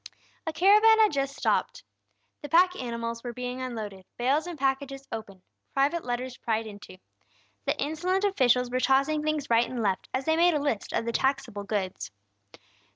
A caravan had just stopped. The pack animals were being unloaded, bales and packages opened, private letters pried into. The insolent officials were tossing things right and left, as they made a list of the taxable goods.